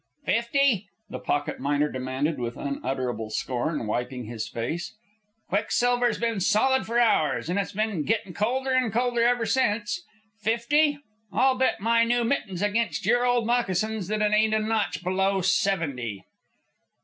"Fifty?" the pocket miner demanded with unutterable scorn, wiping his face. "Quicksilver's been solid for hours, and it's been gittin' colder an' colder ever since. Fifty? I'll bet my new mittens against your old moccasins that it ain't a notch below seventy."